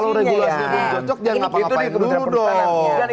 kalau regulasinya itu cocok jangan ngapa ngapain dulu dong